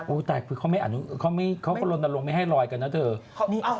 โอ้วแต่คือเขาไม่อาณูเขาโรนโตรงไม่ให้ลอยกันนะเถอะ